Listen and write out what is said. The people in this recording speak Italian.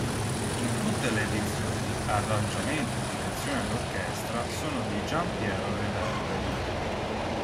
In tutte le edizioni arrangiamento e direzione d'orchestra sono di Gian Piero Reverberi.